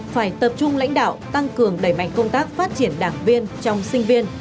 phải tập trung lãnh đạo tăng cường đẩy mạnh công tác phát triển đảng viên trong sinh viên